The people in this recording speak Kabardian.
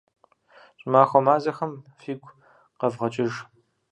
ЩӀымахуэ мазэхэр фигу къэвгъэкӀыж.